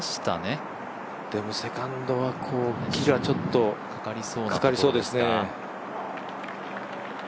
でもセカンドは木がちょっとかかりそうですね。